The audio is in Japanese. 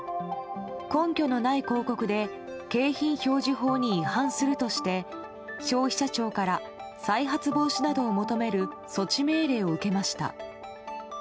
根拠のない広告で景品表示法に違反するとして消費者庁から再発防止などを求める措置命令を受けました。